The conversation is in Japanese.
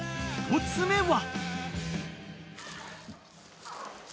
［１つ目は］